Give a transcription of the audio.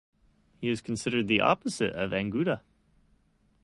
He is considered the opposite of Anguta.